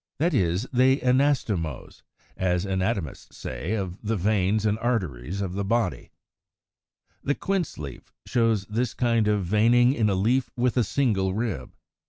That is, they anastomose, as anatomists say of the veins and arteries of the body. The Quince leaf, in Fig. 112, shows this kind of veining in a leaf with a single rib.